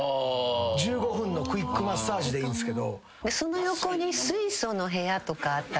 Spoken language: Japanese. １５分のクイックマッサージでいいんすけど。とかあったら。